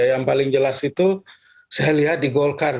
yang paling jelas itu saya lihat di golkar